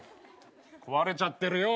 割れちゃってるよ。